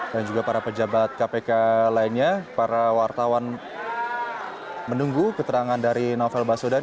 dan juga para pejabat kpk lainnya para wartawan menunggu keterangan dari novel baswedan